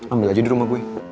ambil aja di rumah gue